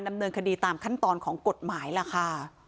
ดำเนินคดีตามขั้นตอนของกฎหมายล่ะค่ะ